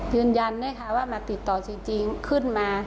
ยืนยันนะคะว่ามาติดต่อจริงขึ้นมา